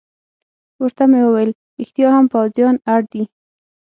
ورته مې وویل: رښتیا هم، پوځیان اړ دي.